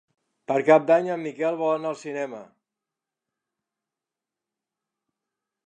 Per Cap d'Any en Miquel vol anar al cinema.